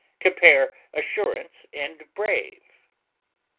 Compare ASSURANCE; BRAVE.